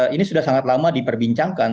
ini sudah sangat lama diperbincangkan